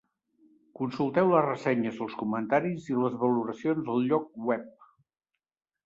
Consulteu les ressenyes, els comentaris i les valoracions al lloc web.